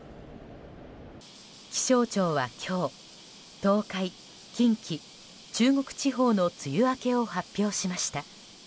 気象庁は今日東海、近畿、中国地方の梅雨明けを発表しました。